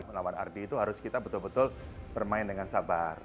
melawan ardi itu harus kita betul betul bermain dengan sabar